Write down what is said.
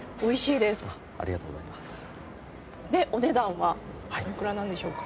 でお値段はおいくらなんでしょうか？